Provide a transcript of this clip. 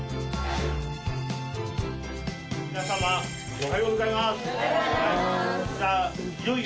おはようございます。